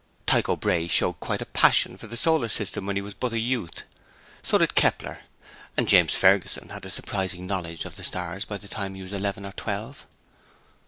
Tycho Brahe showed quite a passion for the solar system when he was but a youth, and so did Kepler; and James Ferguson had a surprising knowledge of the stars by the time he was eleven or twelve.'